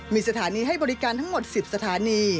มีสถานีให้บริการทั้งหมด๑๐สถานี